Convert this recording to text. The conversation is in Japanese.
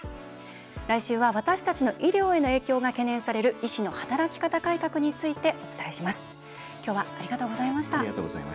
来週は私たちの医療への影響が懸念される医師の働き方改革についてお伝えします。